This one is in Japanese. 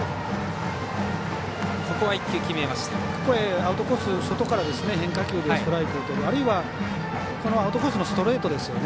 アウトコース外から変化球でストライクをとるあるいは、アウトコースのストレートですよね。